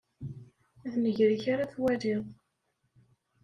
D nnger-ik ara twaliḍ.